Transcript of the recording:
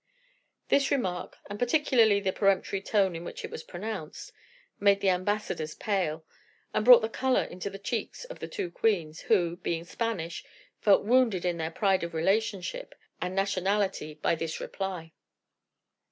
This remark, and particularly the peremptory tone in which it was pronounced, made the ambassadors pale, and brought the color into the cheeks of the two queens, who, being Spanish, felt wounded in their pride of relationship and nationality by this reply.